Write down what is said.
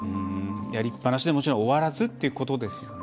やりっぱなしでは終わらずということですよね。